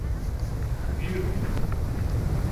— Ввіруємо!